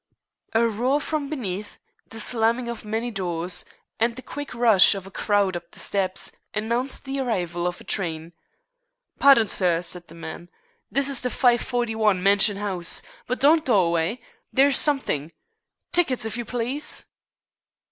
A roar from beneath, the slamming of many doors, and the quick rush of a crowd up the steps, announced the arrival of a train. "Pardon, sir," said the man, "this is the 5.41 Mansion House. But don't go aw'y. There's somethin' Tickets, if you please."